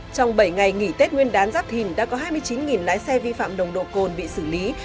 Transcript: trong bảy ngày nghỉ tết nguyên đán giáp thìn đã có hai mươi chín lái xe vi phạm nồng độ cồn bị xử lý